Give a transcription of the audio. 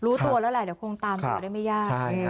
รู้ตัวแล้วแหละเดี๋ยวคงตามตัวได้ไม่ยาก